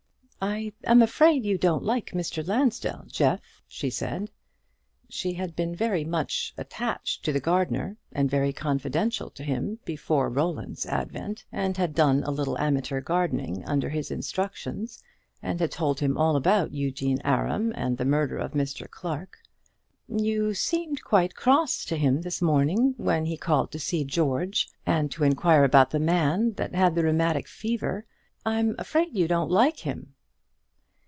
"I am afraid you don't like Mr. Lansdell, Jeff," she said. She had been very much attached to the gardener, and very confidential to him, before Roland's advent, and had done a little amateur gardening under his instructions, and had told him all about Eugene Aram and the murder of Mr. Clarke "You seemed quite cross to him this morning when he called to see George, and to inquire about the man that had the rheumatic fever; I'm afraid you don't like him."